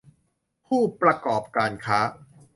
ผู้ประกอบการค้า